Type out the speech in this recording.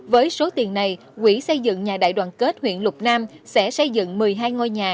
với số tiền này quỹ xây dựng nhà đại đoàn kết huyện lục nam sẽ xây dựng một mươi hai ngôi nhà